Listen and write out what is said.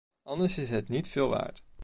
Anders is het niet veel waard.